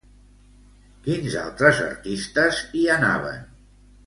Quins altres artistes hi anaven?